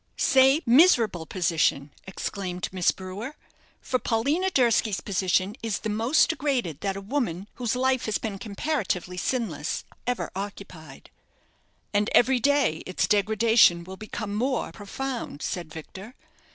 "Say, miserable position," exclaimed Miss Brewer; "for Paulina Durski's position is the most degraded that a woman whose life has been comparatively sinless ever occupied." "And every day its degradation will become more profound," said Victor.